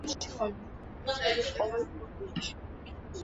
ერთხანს ყოველ კვირაში, ხოლო მოგვიანებით კი ყოველ ორ კვირაში.